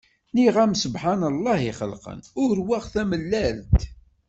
Nniɣ-am s ssebḥan llah ixelqen, urweɣ tamellalt!!